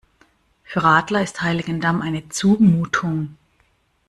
Für Radler ist Heiligendamm eine Zumutung.